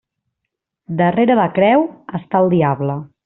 Darrere la creu està el diable.